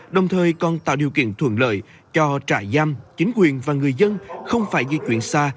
đồng thời còn tạo điều kiện thuận lợi cho trại giam chính quyền và người dân không phải di chuyển xa